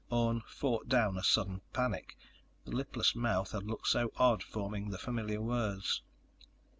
Orne fought down a sudden panic. The lipless mouth had looked so odd forming the familiar words.